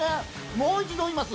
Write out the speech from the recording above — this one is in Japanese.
もう一度言います。